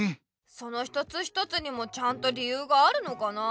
その一つ一つにもちゃんと理ゆうがあるのかなあ？